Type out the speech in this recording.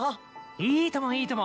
いいともいいとも。